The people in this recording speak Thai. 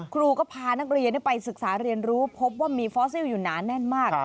ครูก็พานักเรียนไปศึกษาเรียนรู้พบว่ามีฟอสซิลอยู่หนาแน่นมาก